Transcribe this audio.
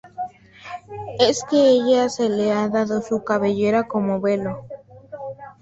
Es que a ella se le ha dado su cabellera como velo.